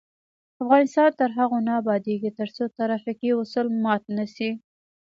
افغانستان تر هغو نه ابادیږي، ترڅو ترافیکي اصول مات نشي.